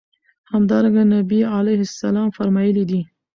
همدرانګه نبي عليه السلام فرمايلي دي